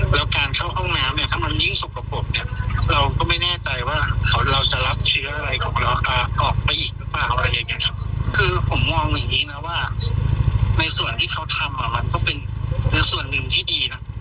แล้วการเข้าห้องน้ำเนี่ยถ้ามันยิ่งสกปรกเนี่ยเราก็ไม่แน่ใจว่าเราจะรับเชื้ออะไรของเราออกไปอีกหรือเปล่าอะไรอย่างเงี้ครับคือผมมองอย่างงี้นะว่าในส่วนที่เขาทำอ่ะมันก็เป็นในส่วนหนึ่งที่ดีนะ